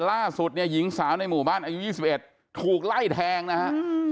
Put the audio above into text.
ล่าสุดเนี่ยหญิงสาวในหมู่บ้านอายุ๒๑ถูกไล่แทงนะฮะ